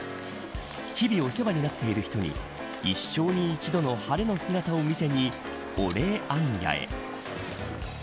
日々お世話になっている人に一生に一度の晴れの姿を見せにお礼行脚へ。